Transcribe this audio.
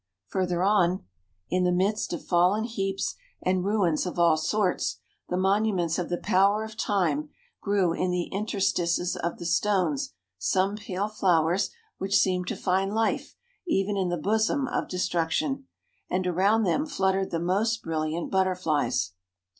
Further on, in tlie midst of fallen heaps and 1 114 MOUNTAIN ADVENTUEES. ruins of all sorts, the monuments of the power of time, grew in the interstices of the stones some pale flowers which seemed to find life even in the bosom of destruction ; and around them fluttered the most brilliant butterflies.